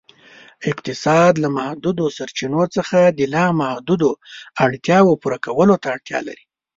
اقتصاد ، له محدودو سرچینو څخه د لا محدودو اړتیاوو پوره کولو ته وایي.